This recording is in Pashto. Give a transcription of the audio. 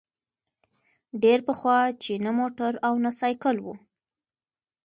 ډېر پخوا چي نه موټر او نه سایکل وو